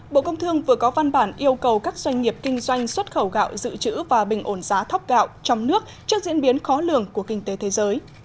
bộ công thương vừa có văn bản yêu cầu các doanh nghiệp kinh doanh xuất khẩu gạo dự trữ và bình ổn giá thóc gạo trong nước trước diễn biến khó lường của kinh tế thế giới